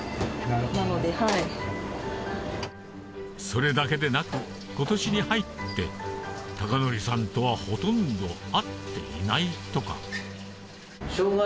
それだけでなく今年に入って孝法さんとはほとんど会っていないとか